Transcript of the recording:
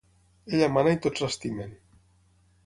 Ella mana i tots l’estimen.